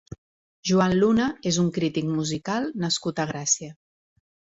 Joan Luna és un crític musical nascut a Gràcia.